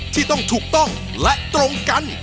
ที่ต้องถูกต้องและตรงกัน